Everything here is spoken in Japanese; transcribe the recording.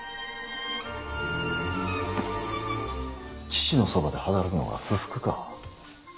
父のそばで働くのが不服か。